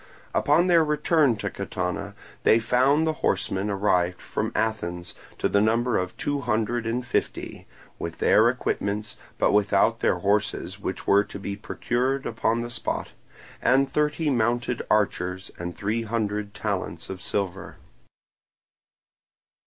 Upon their return to Catana they found the horsemen arrived from Athens, to the number of two hundred and fifty (with their equipments, but without their horses which were to be procured upon the spot), and thirty mounted archers and three hundred talents of silver.